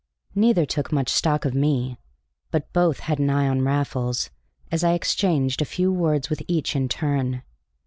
Neither took much stock of me, but both had an eye on Raffles as I exchanged a few words with each in turn.